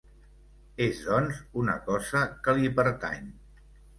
És, doncs, una cosa que li pertany.